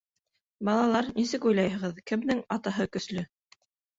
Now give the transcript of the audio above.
— Балалар, нисек уйлайһығыҙ, кемдең атаһы көслө?